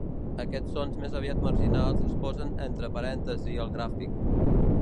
Aquests sons més aviat marginals es posen entre parèntesis al gràfic.